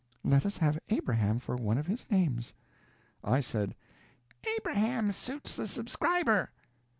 Let us have Abraham for one of his names." I said: "Abraham suits the subscriber."